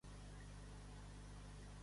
Són carnoses i de color verd glauc a morat.